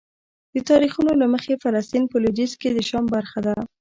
د تاریخونو له مخې فلسطین په لویدیځ کې د شام برخه ده.